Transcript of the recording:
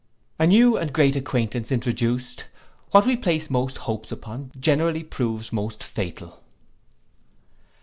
A new and great acquaintance introduced. What we place most hopes upon, generally proves most fatal.